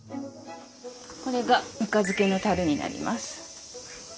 これがぬか漬けのたるになります。